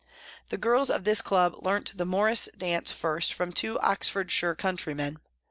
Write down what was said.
The girls of this club learnt the Morris dance first from two Oxfordshire countrymen.